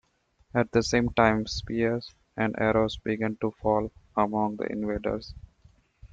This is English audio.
At the same time spears and arrows began to fall among the invaders.